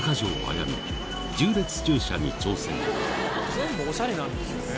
やみ全部おしゃれなんですよね。